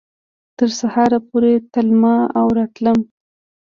تر سهاره پورې تلمه او راتلمه